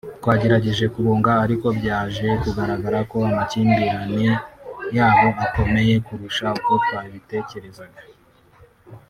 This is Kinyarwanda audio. twagerageje kubunga ariko byaje kugaragara ko amakimbirane yabo akomeye kurusha uko twabitekerezaga